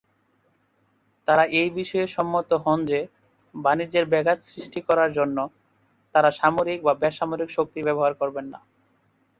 তারা এই বিষয়ে সম্মত হন যে বাণিজ্যে ব্যাঘাত সৃষ্টি করার জন্য তারা সামরিক বা বেসামরিক শক্তি ব্যবহার করবে না।